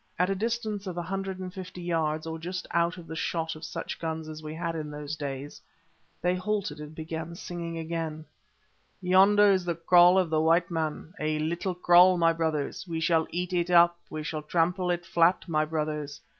At a distance of a hundred and fifty yards or just out of the shot of such guns as we had in those days, they halted and began singing again— "Yonder is the kraal of the white man—a little kraal, my brothers; We shall eat it up, we shall trample it flat, my brothers.